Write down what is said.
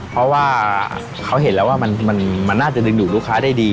เพราะว่าเขาเห็นแล้วว่ามันน่าจะดึงดูดลูกค้าได้ดี